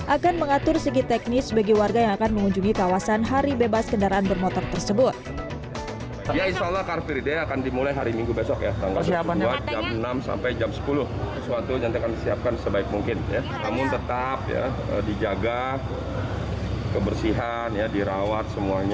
akan mengatur segi teknis bagi warga yang akan mengunjungi kawasan hari bebas kendaraan bermotor tersebut